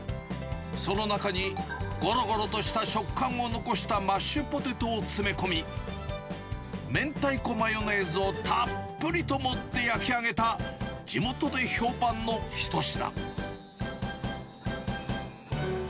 その中に、ごろごろとした食感を残したマッシュポテトを詰め込み、明太子マヨネーズをたっぷりと盛って焼き上げた地元で評判の一品。